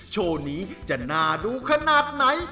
โชว์นี้จะน่าดูขนาดไหน